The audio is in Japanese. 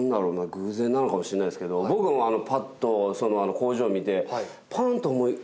偶然なのかもしれないんですけど僕もぱっと工場見て。